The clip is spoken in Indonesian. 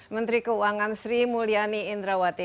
menteri keuangan sri mulyani indrawati